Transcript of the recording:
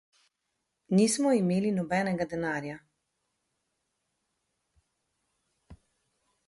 Nismo imeli nobenega denarja.